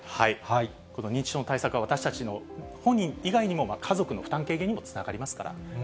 この認知症の対策は、私たちの、本人以外にも、家族の負担軽減にもつながりますから。